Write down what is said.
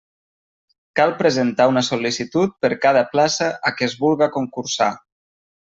Cal presentar una sol·licitud per cada plaça a què es vulga concursar.